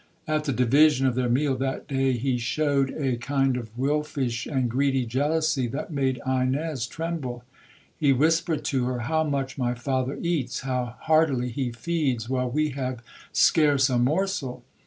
At the division of their meal that day, he shewed a kind of wilfish and greedy jealousy that made Ines tremble. He whispered to her—'How much my father eats—how heartily he feeds while we have scarce a morsel!'